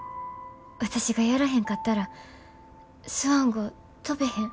私がやらへんかったらスワン号飛ベへん。